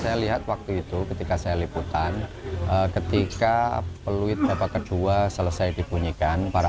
saya lihat waktu itu ketika saya liputan ketika peluit bapak kedua selesai dibunyikan para